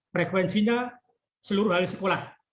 frekuensinya seluruh hari sekolah